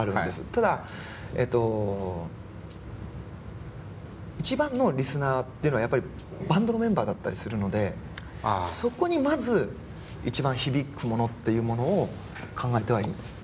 ただ一番のリスナーっていうのはやっぱりバンドのメンバーだったりするのでそこにまず一番響くものっていうものを考えてはいます。